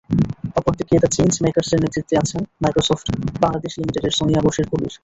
অপরদিকে the change মেকার্সের নেতৃত্বে আছেন মাইক্রোসফট বাংলাদেশ লিমিটেডের সোনিয়া বশির কবির।